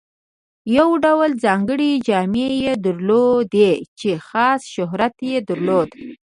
یو ډول ځانګړې جامې یې درلودې چې خاص شهرت یې درلود.